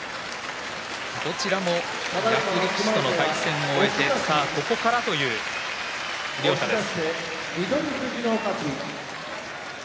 どちらも役力士との対戦を終えてここからという両者です。